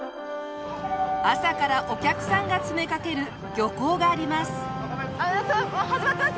朝からお客さんが詰めかける漁港があります。